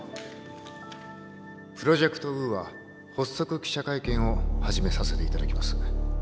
プロジェクト・ウーア発足記者会見を始めさせていただきます。